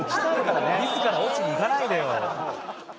自ら落ちに行かないでよ。